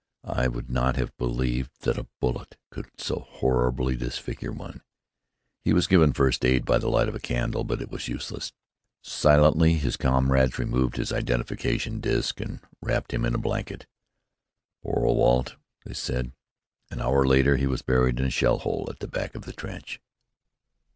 I would not have believed that a bullet could so horribly disfigure one. He was given first aid by the light of a candle; but it was useless. Silently his comrades removed his identification disk and wrapped him in a blanket. "Poor old Walt!" they said. An hour later he was buried in a shell hole at the back of the trench.